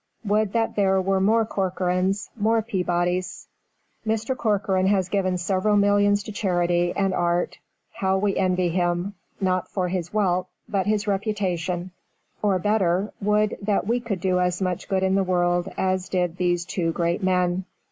Would that there were more Corcorans, more Peabodys. Mr. Corcoran has given several millions to charity and art; how we envy him not for his wealth, but his reputation, or better, would that we could do as much good in the world as did these two great men.